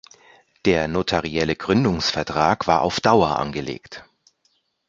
Der notarielle Gründungsvertrag war auf Dauer angelegt.